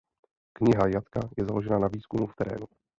Kniha Jatka je založena na výzkumu v terénu.